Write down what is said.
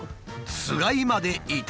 つがいまでいた。